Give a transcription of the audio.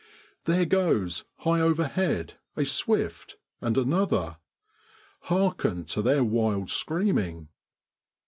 There goes, high overhead, a swift and another. Hearken to their wild screaming